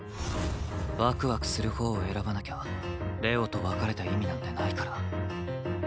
ワクワクするほうを選ばなきゃ玲王と別れた意味なんてないから。